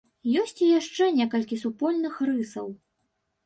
Ёсць і яшчэ некалькі супольных рысаў.